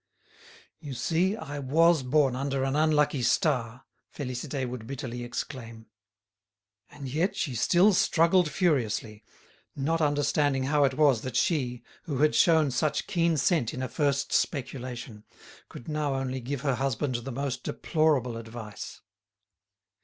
"You see I was born under an unlucky star!" Félicité would bitterly exclaim. And yet she still struggled furiously, not understanding how it was that she, who had shown such keen scent in a first speculation, could now only give her husband the most deplorable advice.